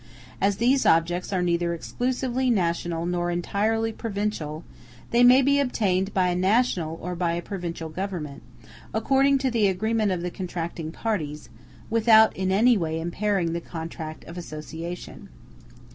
As these objects are neither exclusively national nor entirely provincial, they may be obtained by a national or by a provincial government, according to the agreement of the contracting parties, without in any way impairing the contract of association.